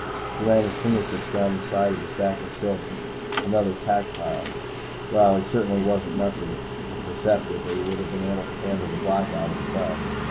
He ran his fingertips down the side of the stack of silver. Another tactile. Well, he certainly wasn't much of a perceptive, or he would have been able to handle the Blackout himself.